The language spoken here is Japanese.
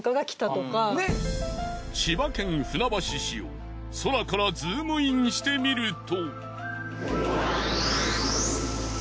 千葉県船橋市を空からズームインしてみると。